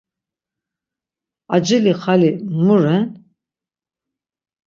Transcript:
Acili xali mu ren?